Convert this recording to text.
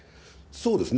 そうですね。